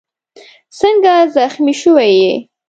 څنګه زخمي شوی یې؟